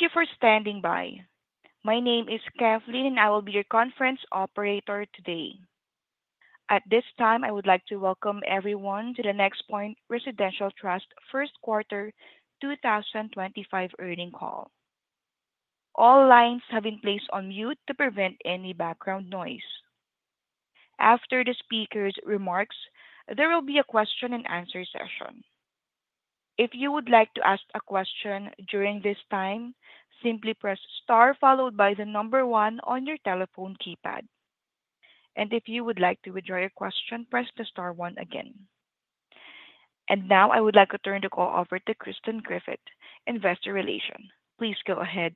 Thank you for standing by. My name is Kathleen, and I will be your conference operator today. At this time, I would like to welcome everyone to the NexPoint Residential Trust Q1 2025 Earnings Call. All lines have been placed on mute to prevent any background noise. After the speaker's remarks, there will be a question-and-answer session. If you would like to ask a question during this time, simply press star followed by the number one on your telephone keypad. If you would like to withdraw your question, press the star one again. I would like to turn the call over to Kristen Griffith, Investor Relations. Please go ahead.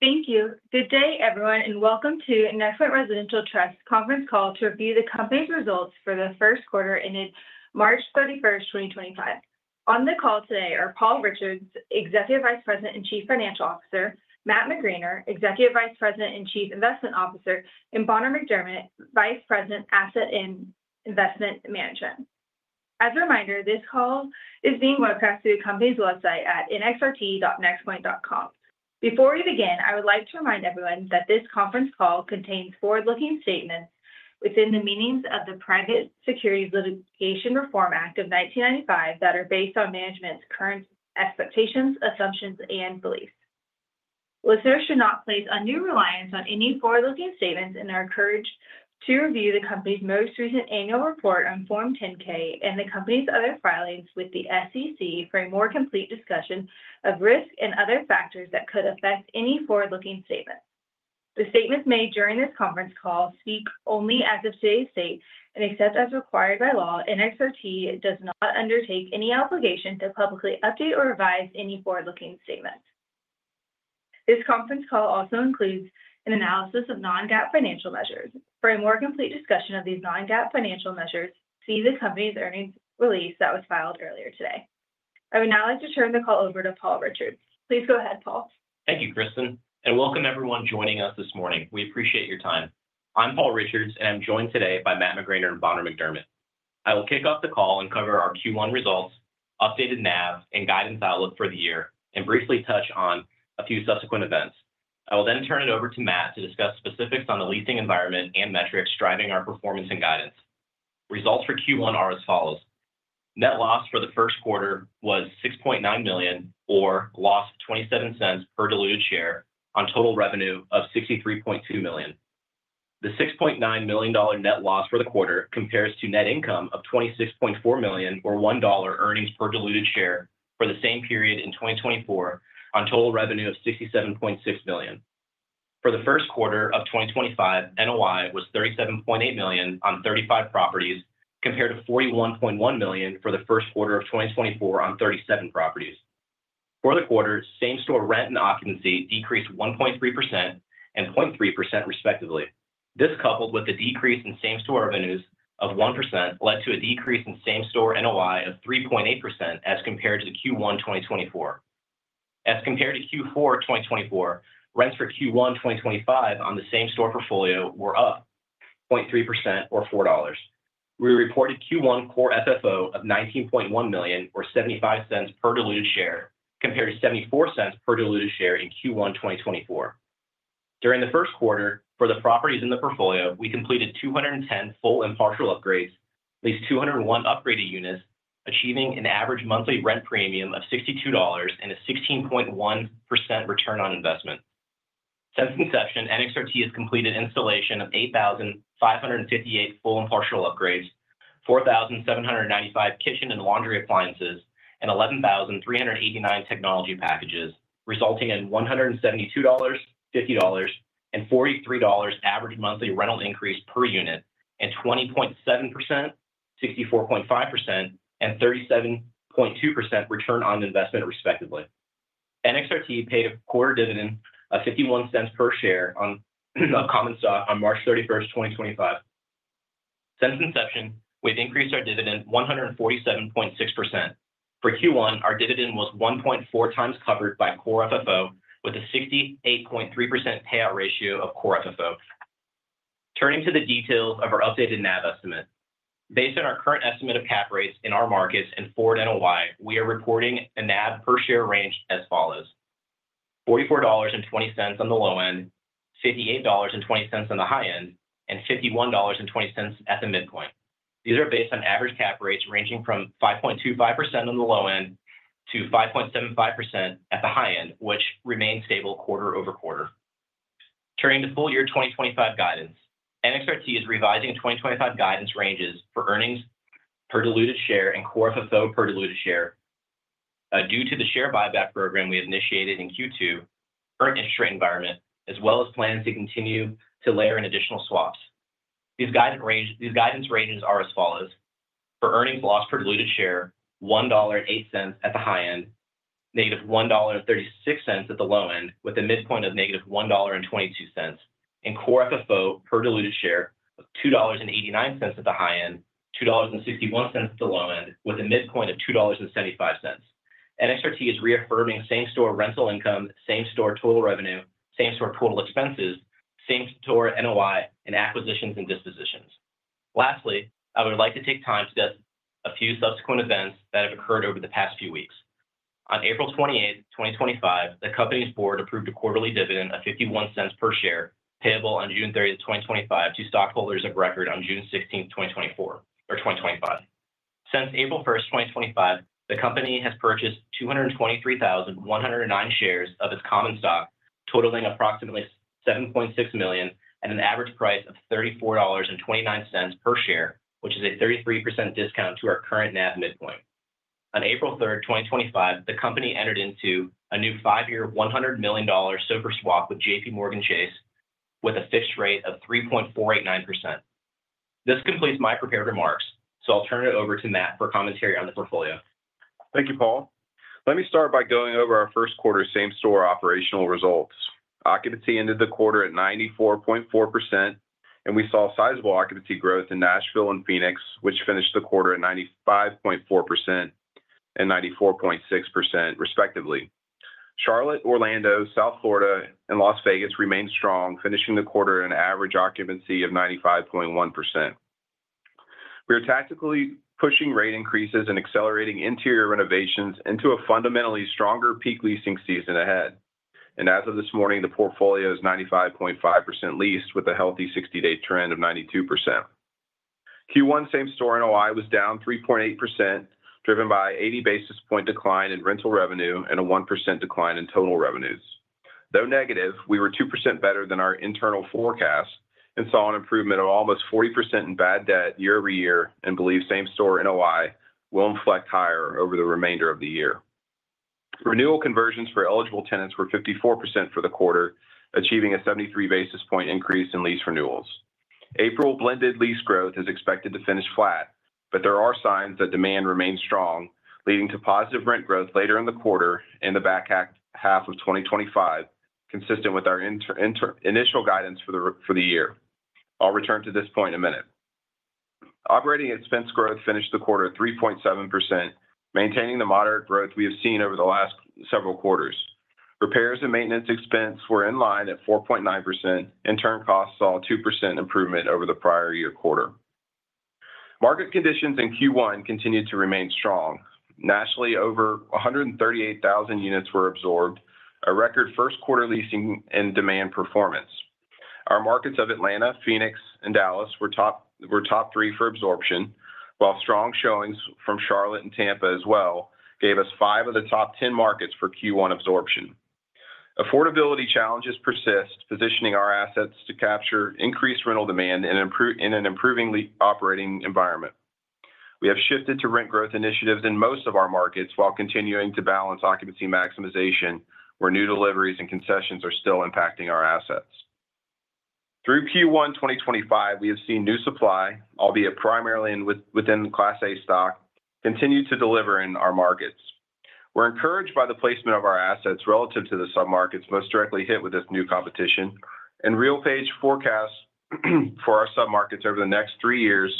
Thank you. Good day, everyone, and welcome to the NexPoint Residential Trust Conference Call to review the company's results for the Q1 ended 31 March 2025. On the call today are Paul Richards, Executive Vice President and Chief Financial Officer; Matt McGraner, Executive Vice President and Chief Investment Officer; and Bonner McDermett, Vice President, Asset and Investment Management. As a reminder, this call is being broadcast through the company's website at nxrt.nexpoint.com. Before we begin, I would like to remind everyone that this conference call contains forward-looking statements within the meanings of the Private Securities Litigation Reform Act of 1995 that are based on management's current expectations, assumptions, and beliefs. Listeners should not place a new reliance on any forward-looking statements and are encouraged to review the company's most recent annual report on Form 10-K and the company's other filings with the SEC for a more complete discussion of risk and other factors that could affect any forward-looking statements. The statements made during this conference call speak only as of today's date and, except as required by law, NXRT does not undertake any obligation to publicly update or revise any forward-looking statements. This conference call also includes an analysis of non-GAAP financial measures for a more complete discussion of these non-GAAP financial measures. See the company's earnings release that was filed earlier today. I would now like to turn the call over to Paul Richards. Please go ahead, Paul. Thank you, Kristen, and welcome everyone joining us this morning. We appreciate your time. I'm Paul Richards, and I'm joined today by Matt McGraner and Bonner McDermett. I will kick off the call and cover our Q1 results, updated NAV, and guidance outlook for the year, and briefly touch on a few subsequent events. I will then turn it over to Matt to discuss specifics on the leasing environment and metrics driving our performance and guidance. Results for Q1 are as follows: Net loss for the Q1 was $6.9 million, or a loss of $0.27 per diluted share on total revenue of $63.2 million. The $6.9 million net loss for the quarter compares to net income of $26.4 million, or $1 earnings per diluted share for the same period in 2023, on total revenue of $67.6 million. For the Q1 of 2025, NOI was $37.8 million on 35 properties, compared to $41.1 million for the Q1 of 2024 on 37 properties. For the quarter, same-store rent and occupancy decreased 1.3% and 0.3%, respectively. This, coupled with the decrease in same-store revenues of 1%, led to a decrease in same-store NOI of 3.8% as compared to Q1 2024. As compared to Q4 2024, rents for Q1 2025 on the same-store portfolio were up 0.3%, or $4. We reported Q1 core FFO of $19.1 million, or $0.75 per diluted share, compared to $0.74 per diluted share in Q1 2024. During the Q1, for the properties in the portfolio, we completed 210 full and partial upgrades, at least 201 upgraded units, achieving an average monthly rent premium of $62 and a 16.1% return on investment. Since inception, NXRT has completed installation of 8,558 full and partial upgrades, 4,795 kitchen and laundry appliances, and 11,389 technology packages, resulting in $172.50 and $43.00 average monthly rental increase per unit, and 20.7%, 64.5%, and 37.2% return on investment, respectively. NXRT paid a quarterly dividend of $0.51 per share on common stock on 31 March 2025. Since inception, we've increased our dividend 147.6%. For Q1, our dividend was 1.4 times covered by core FFO, with a 68.3% payout ratio of core FFO. Turning to the details of our updated NAV estimate, based on our current estimate of cap rates in our markets and forward NOI, we are reporting a NAV per share range as follows: $44.20 on the low end, $58.20 on the high end, and $51.20 at the midpoint. These are based on average cap rates ranging from 5.25% on the low end to 5.75% at the high end, which remained stable quarter over quarter. Turning to full year 2025 guidance, NXRT is revising 2025 guidance ranges for earnings per diluted share and core FFO per diluted share due to the share buyback program we have initiated in Q2, current interest rate environment, as well as plans to continue to layer in additional swaps. These guidance ranges are as follows: for earnings loss per diluted share, $1.08 at the high end, negative $1.36 at the low end, with a midpoint of negative $1.22, and core FFO per diluted share of $2.89 at the high end, $2.61 at the low end, with a midpoint of $2.75. NXRT is reaffirming same-store rental income, same-store total revenue, same-store total expenses, same-store NOI, and acquisitions and dispositions. Lastly, I would like to take time to discuss a few subsequent events that have occurred over the past few weeks. On 28 April 2025, the company's board approved a quarterly dividend of $0.51 per share payable on 30 June 2025, to stockholders of record on 16 June 2025. Since 1 April 2025, the company has purchased 223,109 shares of its common stock, totaling approximately $7.6 million, at an average price of $34.29 per share, which is a 33% discount to our current NAV midpoint. On 3 April 2025, the company entered into a new five-year $100 million SOFR swap with JPMorgan Chase with a fixed rate of 3.489%. This completes my prepared remarks, so I'll turn it over to Matt for commentary on the portfolio. Thank you, Paul. Let me start by going over our Q1 same-store operational results. Occupancy ended the quarter at 94.4%, and we saw sizable occupancy growth in Nashville and Phoenix, which finished the quarter at 95.4% and 94.6%, respectively. Charlotte, Orlando, South Florida, and Las Vegas remained strong, finishing the quarter at an average occupancy of 95.1%. We are tactically pushing rate increases and accelerating interior renovations into a fundamentally stronger peak leasing season ahead. As of this morning, the portfolio is 95.5% leased, with a healthy 60-day trend of 92%. Q1 same-store NOI was down 3.8%, driven by an 80 basis point decline in rental revenue and a 1% decline in total revenues. Though negative, we were 2% better than our internal forecast and saw an improvement of almost 40% in bad debt year-over-year, and believe same-store NOI will inflect higher over the remainder of the year. Renewal conversions for eligible tenants were 54% for the quarter, achieving a 73 basis point increase in lease renewals. April blended lease growth is expected to finish flat, but there are signs that demand remains strong, leading to positive rent growth later in the quarter and the back half of 2025, consistent with our initial guidance for the year. I'll return to this point in a minute. Operating expense growth finished the quarter at 3.7%, maintaining the moderate growth we have seen over the last several quarters. Repairs and maintenance expense were in line at 4.9%, and turn costs saw a 2% improvement over the prior year quarter. Market conditions in Q1 continued to remain strong. Nationally, over 138,000 units were absorbed, a record Q1 leasing and demand performance. Our markets of Atlanta, Phoenix, and Dallas were top three for absorption, while strong showings from Charlotte and Tampa as well gave us five of the top 10 markets for Q1 absorption. Affordability challenges persist, positioning our assets to capture increased rental demand in an improving operating environment. We have shifted to rent growth initiatives in most of our markets while continuing to balance occupancy maximization, where new deliveries and concessions are still impacting our assets. Through Q1 2025, we have seen new supply, albeit primarily within Class A stock, continue to deliver in our markets. We're encouraged by the placement of our assets relative to the submarkets most directly hit with this new competition, and RealPage forecasts for our submarkets over the next three years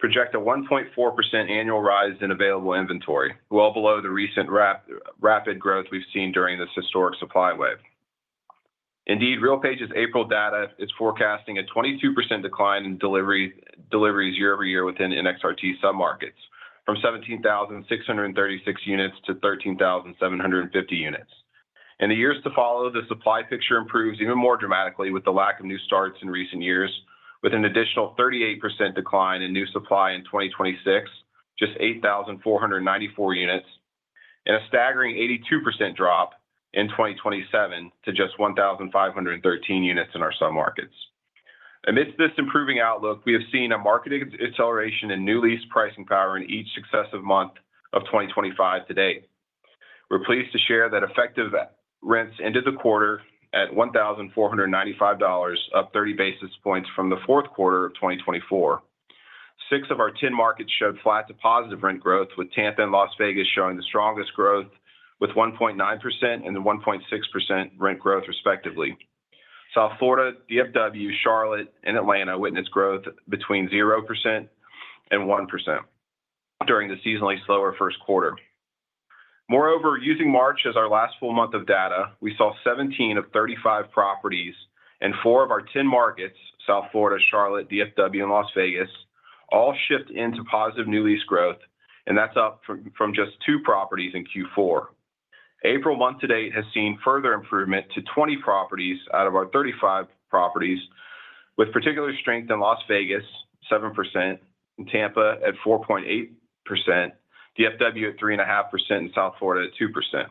project a 1.4% annual rise in available inventory, well below the recent rapid growth we've seen during this historic supply wave. Indeed, RealPage's April data is forecasting a 22% decline in deliveries year-over-year within NXRT submarkets, from 17,636 units to 13,750 units. In the years to follow, the supply picture improves even more dramatically with the lack of new starts in recent years, with an additional 38% decline in new supply in 2026, just 8,494 units, and a staggering 82% drop in 2027 to just 1,513 units in our submarkets. Amidst this improving outlook, we have seen a market acceleration in new lease pricing power in each successive month of 2025 to date. We're pleased to share that effective rents ended the quarter at $1,495, up 30 basis points from the fourth quarter of 2024. Six of our 10 markets showed flat to positive rent growth, with Tampa and Las Vegas showing the strongest growth, with 1.9% and 1.6% rent growth, respectively. South Florida, DFW, Charlotte, and Atlanta witnessed growth between 0% and 1% during the seasonally slower Q1. Moreover, using March as our last full month of data, we saw 17 of 35 properties and four of our 10 markets, South Florida, Charlotte, DFW, and Las Vegas, all shift into positive new lease growth, and that's up from just two properties in Q4. April month to date has seen further improvement to 20 properties out of our 35 properties, with particular strength in Las Vegas, 7%, in Tampa at 4.8%, DFW at 3.5%, and South Florida at 2%.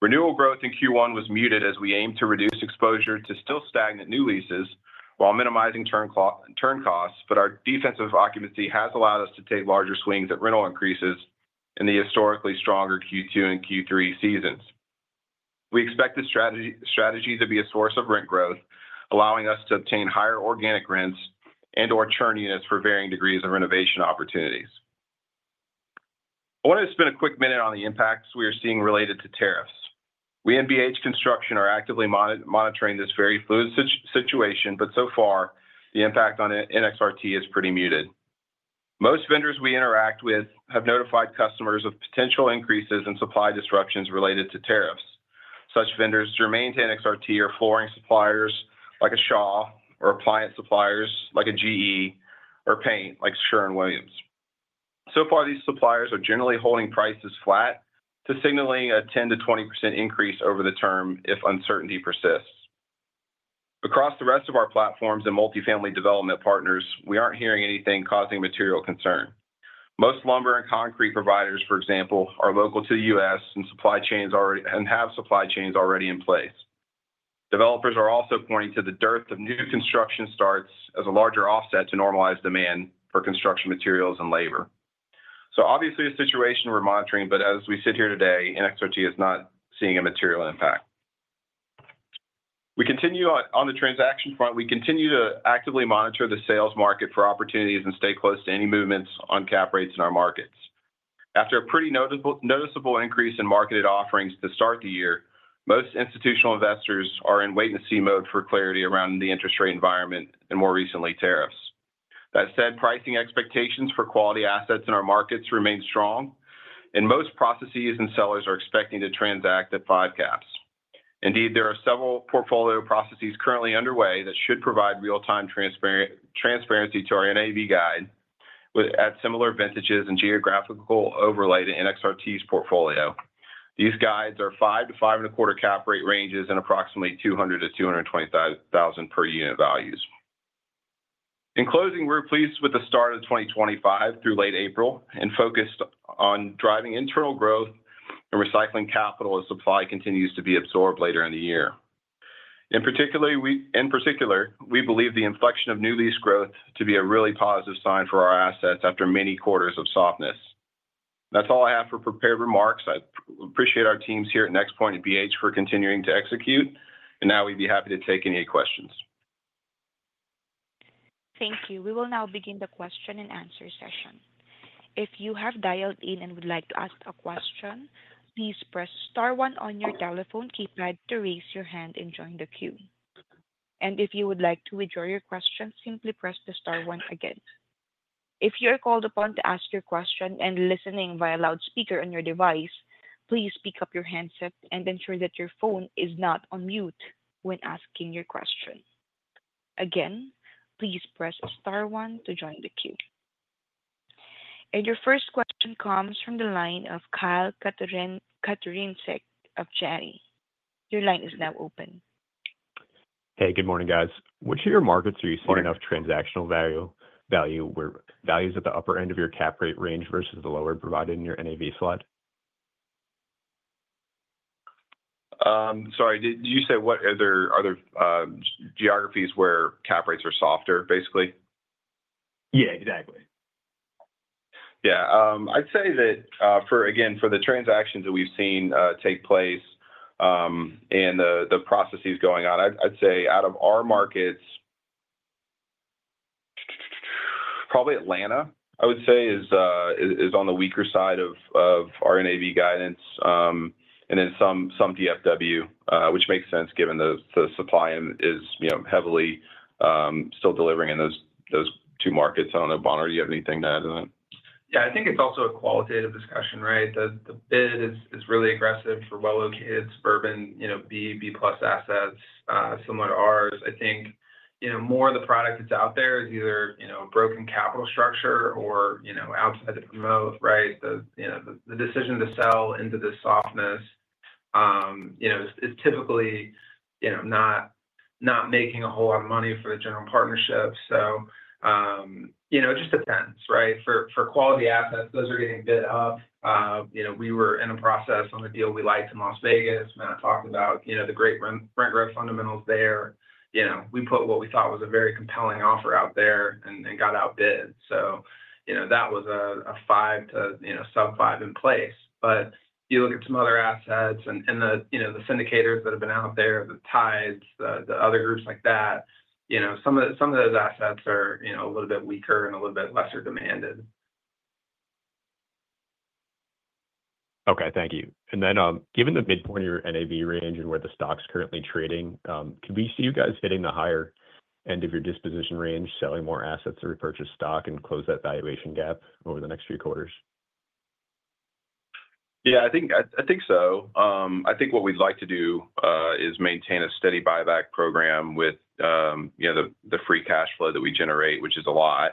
Renewal growth in Q1 was muted as we aimed to reduce exposure to still stagnant new leases while minimizing turn costs, but our defensive occupancy has allowed us to take larger swings at rental increases in the historically stronger Q2 and Q3 seasons. We expect this strategy to be a source of rent growth, allowing us to obtain higher organic rents and/or churn units for varying degrees of renovation opportunities. I want to spend a quick minute on the impacts we are seeing related to tariffs. We and BH Construction are actively monitoring this very fluid situation, but so far, the impact on NXRT is pretty muted. Most vendors we interact with have notified customers of potential increases in supply disruptions related to tariffs. Such vendors germane to NXRT are flooring suppliers like Shaw or appliance suppliers like GE or paint like Sherwin-Williams. So far, these suppliers are generally holding prices flat to signaling a 10% to 20% increase over the term if uncertainty persists. Across the rest of our platforms and multifamily development partners, we are not hearing anything causing material concern. Most lumber and concrete providers, for example, are local to the U.S. and have supply chains already in place. Developers are also pointing to the dearth of new construction starts as a larger offset to normalize demand for construction materials and labor. Obviously, a situation we're monitoring, but as we sit here today, NXRT is not seeing a material impact. We continue on the transaction front. We continue to actively monitor the sales market for opportunities and stay close to any movements on cap rates in our markets. After a pretty noticeable increase in marketed offerings to start the year, most institutional investors are in wait-and-see mode for clarity around the interest rate environment and more recently tariffs. That said, pricing expectations for quality assets in our markets remain strong, and most processes and sellers are expecting to transact at five caps. Indeed, there are several portfolio processes currently underway that should provide real-time transparency to our NAV guide with similar vintages and geographical overlay to NXRT's portfolio. These guides are 5-5.25% cap rate ranges and approximately $200,000-$220,000 per unit values. In closing, we're pleased with the start of 2025 through late April and focused on driving internal growth and recycling capital as supply continues to be absorbed later in the year. In particular, we believe the inflection of new lease growth to be a really positive sign for our assets after many quarters of softness. That's all I have for prepared remarks. I appreciate our teams here at NexPoint and BH for continuing to execute, and now we'd be happy to take any questions. Thank you. We will now begin the question and answer session. If you have dialed in and would like to ask a question, please press star one on your telephone keypad to raise your hand and join the queue. If you would like to withdraw your question, simply press the star one again. If you are called upon to ask your question and listening via loudspeaker on your device, please pick up your handset and ensure that your phone is not on mute when asking your question. Again, please press star one to join the queue. Your first question comes from the line of Kyle Katorincek of Janney. Your line is now open. Hey, good morning, guys. Which of your markets are you seeing enough transactional value where values at the upper end of your cap rate range versus the lower provided in your NAV slide? Sorry, did you say what other geographies where cap rates are softer, basically? Yeah, exactly. Yeah. I'd say that, again, for the transactions that we've seen take place and the processes going on, I'd say out of our markets, probably Atlanta, I would say, is on the weaker side of our NAV guidance and then some DFW, which makes sense given the supply is heavily still delivering in those two markets. I don't know, Bonner, do you have anything to add to that? Yeah, I think it's also a qualitative discussion, right? The bid is really aggressive for well-located suburban B plus assets similar to ours. I think more of the product that's out there is either a broken capital structure or outside the promote, right? The decision to sell into this softness is typically not making a whole lot of money for the general partnership. It just depends, right? For quality assets, those are getting bid up. We were in a process on a deal we liked in Las Vegas. Matt talked about the great rent growth fundamentals there. We put what we thought was a very compelling offer out there and got outbid. That was a five to sub five in place. You look at some other assets and the syndicators that have been out there, the Tides, the other groups like that, some of those assets are a little bit weaker and a little bit lesser demanded. Okay, thank you. Given the mid-point of your NAV range and where the stock's currently trading, can we see you guys hitting the higher end of your disposition range, selling more assets to repurchase stock and close that valuation gap over the next few quarters? Yeah, I think so. I think what we'd like to do is maintain a steady buyback program with the free cash flow that we generate, which is a lot,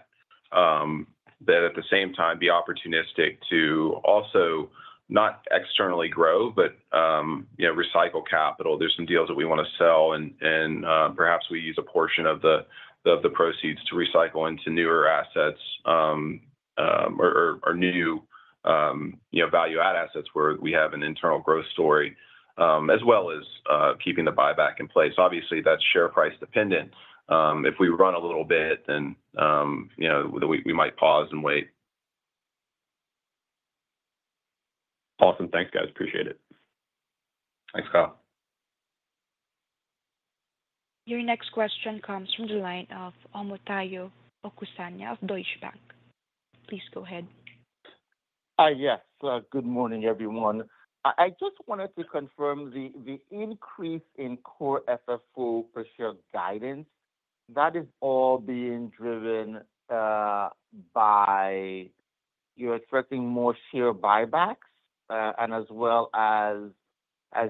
that at the same time be opportunistic to also not externally grow, but recycle capital. There's some deals that we want to sell, and perhaps we use a portion of the proceeds to recycle into newer assets or new value-add assets where we have an internal growth story, as well as keeping the buyback in place. Obviously, that's share price dependent. If we run a little bit, then we might pause and wait. Awesome. Thanks, guys. Appreciate it. Thanks, Kyle. Your next question comes from the line of Omotayo Okusanya of Deutsche Bank. Please go ahead. Hi, yes. Good morning, everyone. I just wanted to confirm the increase in core FFO per share guidance. That is all being driven by you're expecting more share buybacks and as well as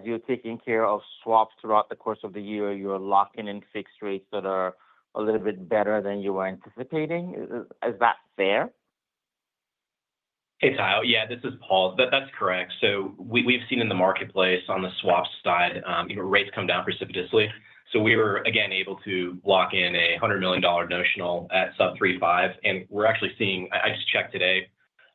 you're taking care of swaps throughout the course of the year, you're locking in fixed rates that are a little bit better than you were anticipating. Is that fair? Hey, Yeah, this is Paul. That's correct. We've seen in the marketplace on the swap side, rates come down precipitously. We were again able to lock in a $100 million notional at sub 3.5. We're actually seeing, I just checked today,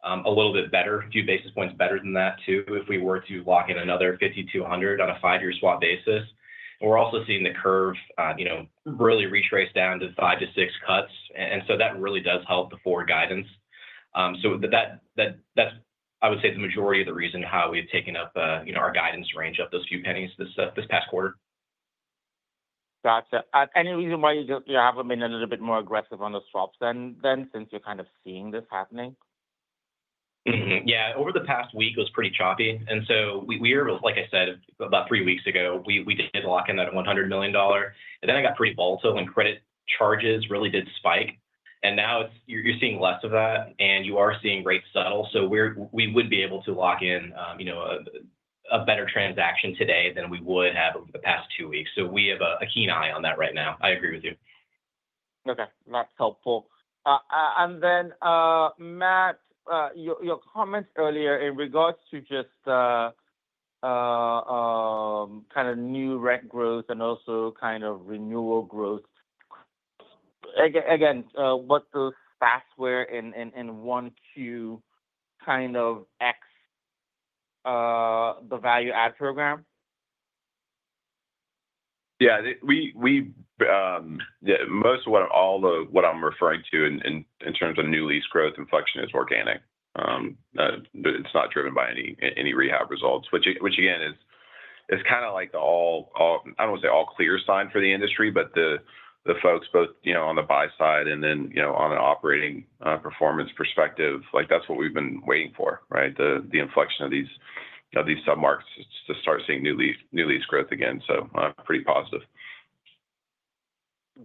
a little bit better, a few basis points better than that too if we were to lock in another 5,200 on a five-year swap basis. We're also seeing the curve really retrace down to five to six cuts. That really does help the forward guidance. That's, I would say, the majority of the reason how we've taken up our guidance range up those few pennies this past quarter. Gotcha. Any reason why you have been a little bit more aggressive on the swaps then since you're kind of seeing this happening? Yeah. Over the past week, it was pretty choppy. We were, like I said, about three weeks ago, we did lock in that $100 million. It got pretty volatile and credit charges really did spike. Now you're seeing less of that and you are seeing rates settle. We would be able to lock in a better transaction today than we would have over the past two weeks. We have a keen eye on that right now. I agree with you. Okay. That's helpful. Matt, your comments earlier in regards to just kind of new rent growth and also kind of renewal growth, again, what those stats were in Q1 kind of, X the value-add program? Yeah. Most of what I'm referring to in terms of new lease growth and inflection is organic. It's not driven by any rehab results, which again is kind of like the all, I don't want to say all clear sign for the industry, but the folks both on the buy side and then on an operating performance perspective, that's what we've been waiting for, right? The inflection of these submarkets to start seeing new lease growth again. So pretty positive.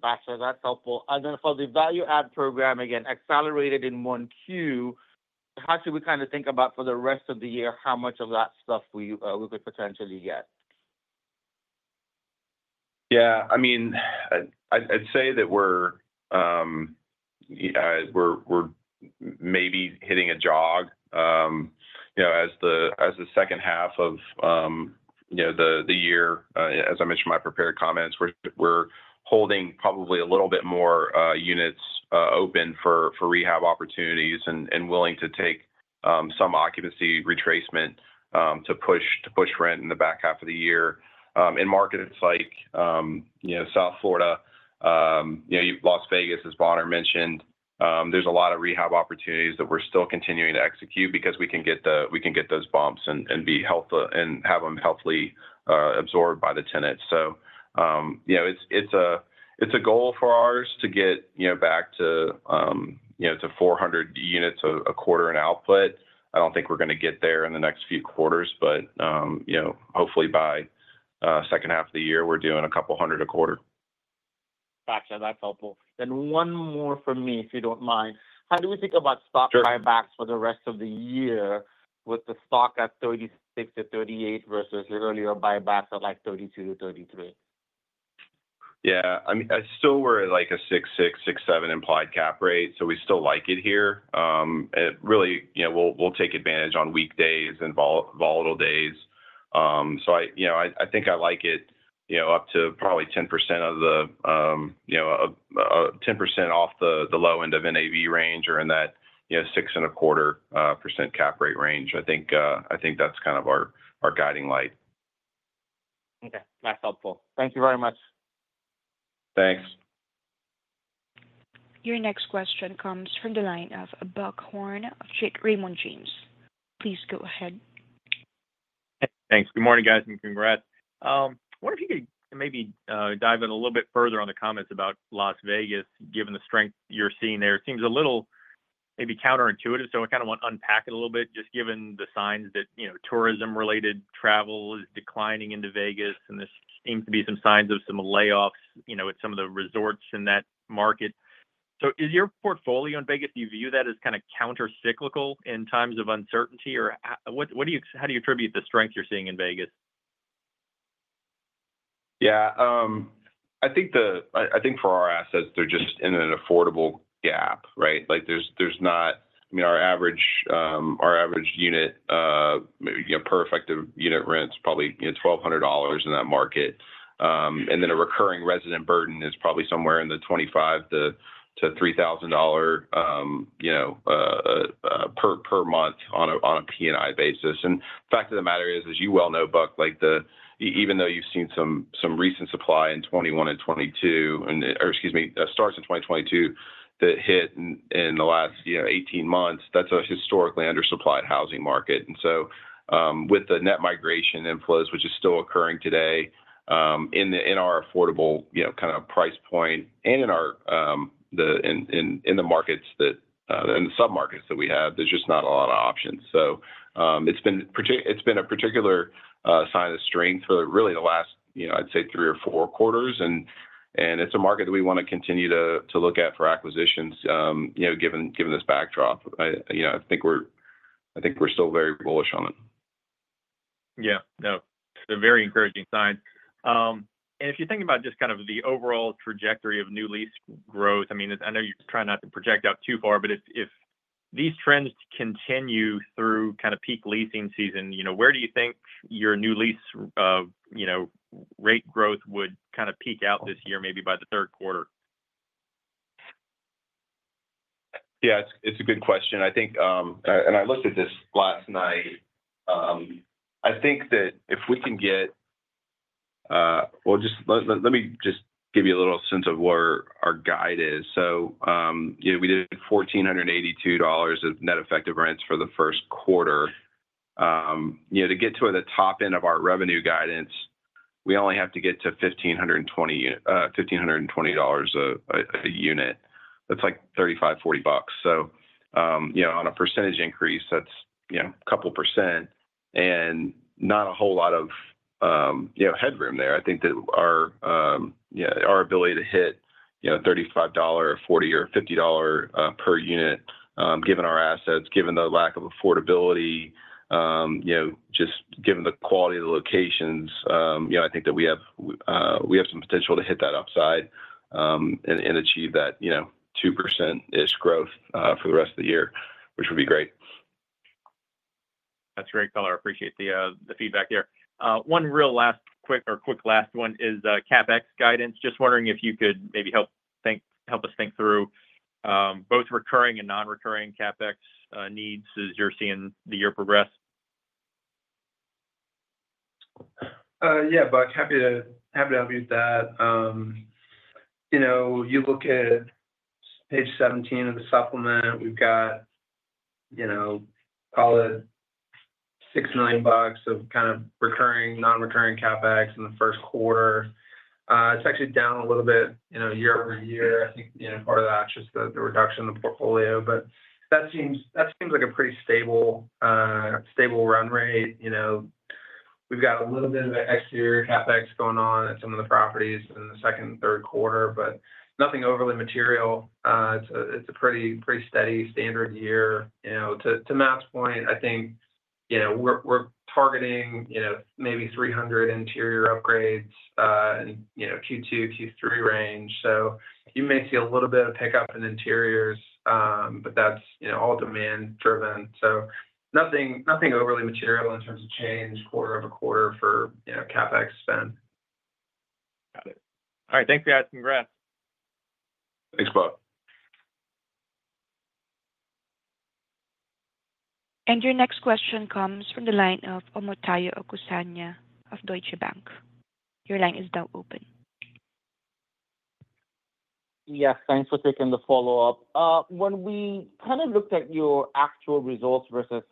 Gotcha. That's helpful. For the value-add program, again, accelerated in one Q, how should we kind of think about for the rest of the year how much of that stuff we could potentially get? Yeah. I mean, I'd say that we're maybe hitting a jog as the second half of the year. As I mentioned in my prepared comments, we're holding probably a little bit more units open for rehab opportunities and willing to take some occupancy retracement to push rent in the back half of the year. In markets like South Florida, Las Vegas, as Bonner mentioned, there's a lot of rehab opportunities that we're still continuing to execute because we can get those bumps and have them healthily absorbed by the tenants. So it's a goal for ours to get back to 400 units a quarter in output. I don't think we're going to get there in the next few quarters, but hopefully by second half of the year, we're doing a couple hundred a quarter. Gotcha. That's helpful. One more for me, if you don't mind. How do we think about stock buybacks for the rest of the year with the stock at $36 to 38 versus earlier buybacks at like $32 to 33? Yeah. I mean, I still wear like a 6.6, 6.7 implied cap rate. So we still like it here. Really, we'll take advantage on weekdays and volatile days. I think I like it up to probably 10% off the low end of NAV range or in that 6.25% cap rate range. I think that's kind of our guiding light. Okay. That's helpful. Thank you very much. Thanks. Your next question comes from the line of Buck Horne of Raymond James. Please go ahead. Thanks. Good morning, guys, and congrats. I wonder if you could maybe dive in a little bit further on the comments about Las Vegas, given the strength you're seeing there. It seems a little maybe counterintuitive. I kind of want to unpack it a little bit, just given the signs that tourism-related travel is declining into Vegas, and there seems to be some signs of some layoffs at some of the resorts in that market. Is your portfolio in Vegas, do you view that as kind of countercyclical in times of uncertainty, or how do you attribute the strength you're seeing in Vegas? Yeah. I think for our assets, they're just in an affordable gap, right? I mean, our average unit per effective unit rent is probably $1,200 in that market. And then a recurring resident burden is probably somewhere in the 25 to 3,000 per month on a P&I basis. The fact of the matter is, as you well know, Buck, even though you've seen some recent supply in 2021 and 2022, or excuse me, starts in 2022 that hit in the last 18 months, that's a historically undersupplied housing market. With the net migration inflows, which is still occurring today in our affordable kind of price point and in the markets that in the submarkets that we have, there's just not a lot of options. It's been a particular sign of strength for really the last, I'd say, three or four quarters. It is a market that we want to continue to look at for acquisitions given this backdrop. I think we are still very bullish on it. Yeah. No, it's a very encouraging sign. And if you're thinking about just kind of the overall trajectory of new lease growth, I mean, I know you're trying not to project out too far, but if these trends continue through kind of peak leasing season, where do you think your new lease rate growth would kind of peak out this year, maybe by the Q3? Yeah, it's a good question. I looked at this last night. I think that if we can get, let me just give you a little sense of where our guide is. We did $1,482 of net effective rents for the Q1. To get to the top end of our revenue guidance, we only have to get to $1,520 a unit. That's like $35 to 40. On a percentage increase, that's a couple % and not a whole lot of headroom there. I think that our ability to hit $35 or $40 or $50 per unit, given our assets, given the lack of affordability, just given the quality of the locations, I think that we have some potential to hit that upside and achieve that 2%-ish growth for the rest of the year, which would be great. That's great, color. I appreciate the feedback there. One real last quick or quick last one is CapEx guidance. Just wondering if you could maybe help us think through both recurring and non-recurring CapEx needs as you're seeing the year progress. Yeah, Buck, happy to help you with that. You look at page 17 of the supplement, we've got, call it, $6 million of kind of recurring, non-recurring CapEx in the Q1. It's actually down a little bit year-over-year, I think, part of that's just the reduction in the portfolio. That seems like a pretty stable run rate. We've got a little bit of exterior CapEx going on at some of the properties in the Q2 and Q3, but nothing overly material. It's a pretty steady standard year. To Matt's point, I think we're targeting maybe 300 interior upgrades in Q2-Q3 range. You may see a little bit of pickup in interiors, but that's all demand-driven. Nothing overly material in terms of change quarter-over-quarter for CapEx spend. Got it. All right. Thanks, guys. Congrats. Thanks, Paul. Your next question comes from the line of Omotayo Okusanya of Deutsche Bank. Your line is now open. Yes. Thanks for taking the follow-up. When we kind of looked at your actual results versus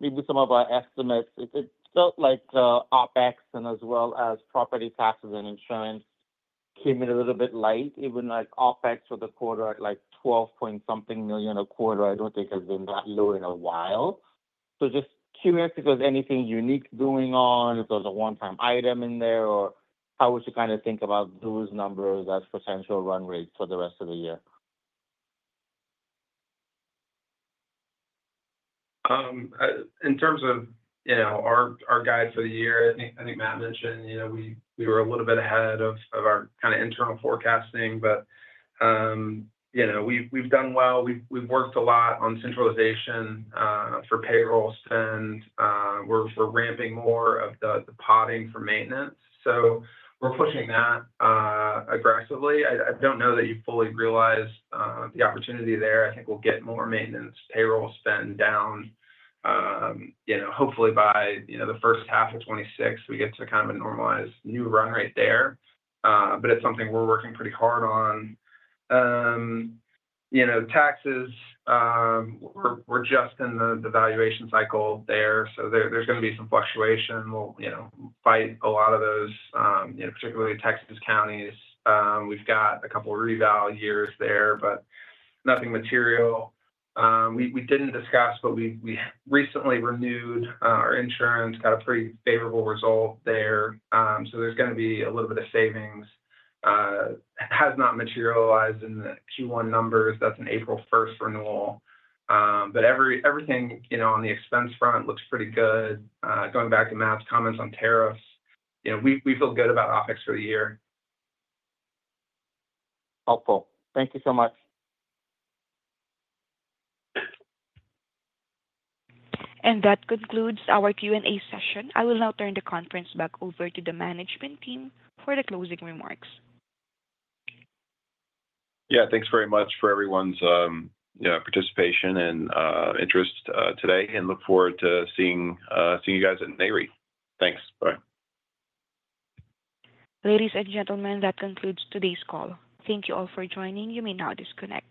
maybe some of our estimates, it felt like OpEx and as well as property taxes and insurance came in a little bit light. Even OpEx for the quarter at like $12 point something million a quarter, I do not think has been that low in a while. Just curious if there is anything unique going on, if there is a one-time item in there, or how would you kind of think about those numbers as potential run rates for the rest of the year? In terms of our guide for the year, I think Matt mentioned we were a little bit ahead of our kind of internal forecasting, but we've done well. We've worked a lot on centralization for payroll spend. We're ramping more of the podding for maintenance. We're pushing that aggressively. I don't know that you fully realize the opportunity there. I think we'll get more maintenance payroll spend down, hopefully by the first half of 2026, we get to kind of a normalized new run rate there. It's something we're working pretty hard on. Taxes, we're just in the valuation cycle there. There's going to be some fluctuation. We'll fight a lot of those, particularly Texas counties. We've got a couple reval years there, nothing material. We didn't discuss, but we recently renewed our insurance, got a pretty favorable result there. There is going to be a little bit of savings. Has not materialized in the Q1 numbers. That is an April 1 renewal. Everything on the expense front looks pretty good. Going back to Matt's comments on tariffs, we feel good about OpEx for the year. Helpful. Thank you so much. That concludes our Q&A session. I will now turn the conference back over to the management team for the closing remarks. Yeah. Thanks very much for everyone's participation and interest today. I look forward to seeing you guys at NAREIT. Thanks. Bye. Ladies and gentlemen, that concludes today's call. Thank you all for joining. You may now disconnect.